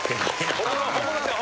・本物本物ですよ